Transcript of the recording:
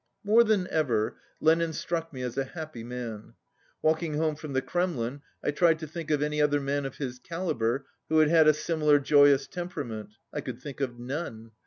More than ever, Lenin struck me as a happy man. Walking home from the Kremlin, I tried to think of any other man of his calibre who had had a similar joyous temperament. I could think of none.